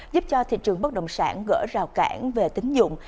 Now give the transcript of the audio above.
giúp cho thị trường bất động sản gỡ rào cản về tín dụng